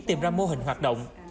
tìm ra mô hình hoạt động